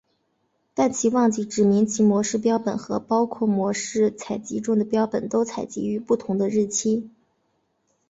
但其忘记指明其模式标本和包括模式采集中的标本都采集于不同的日期。